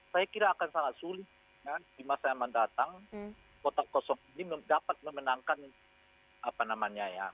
saya kira akan sangat sulit di masa yang mendatang kotak kosong ini dapat memenangkan apa namanya ya